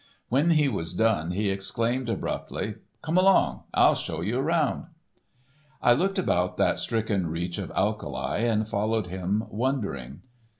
When he was done he exclaimed, abruptly: "Come along, I'll show you 'round." I looked about that stricken reach of alkali, and followed him wondering.